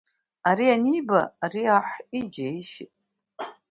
Ари аниба, ари аҳ иџьаишьеит.